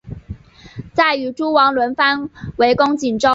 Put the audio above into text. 再与诸王轮番围攻锦州。